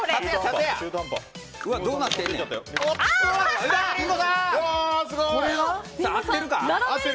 どうなってんねん。